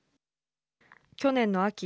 去年の秋